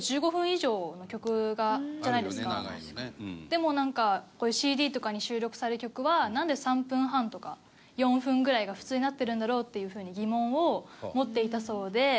でもなんかこういうＣＤとかに収録される曲はなんで３分半とか４分ぐらいが普通になってるんだろうっていう風に疑問を持っていたそうで。